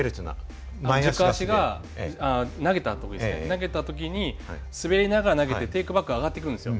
投げた時に滑りながら投げてテイクバックが上がってくるんですよ。